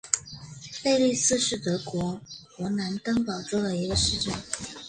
贝利茨是德国勃兰登堡州的一个市镇。